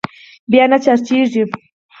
بيا نه چارجېږي.